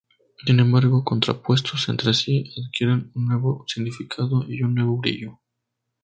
Sin embargo, contrapuestos entre sí adquieren un nuevo significado y un nuevo brillo.